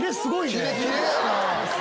キレキレやなぁ。